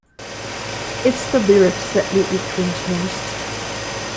It's the lyrics that make me cringe most.